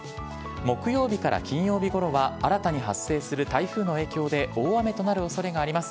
木曜日から金曜日ごろは新たに発生する台風の影響で大雨となるおそれがあります。